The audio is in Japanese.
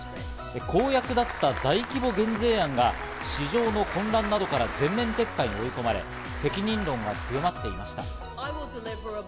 公約だった大規模減税案が市場の混乱などから全面撤回に追い込まれ、責任論が強まっていました。